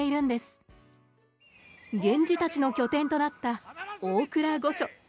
源氏たちの拠点となった大倉御所。